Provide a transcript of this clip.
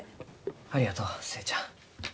ありがとう寿恵ちゃん。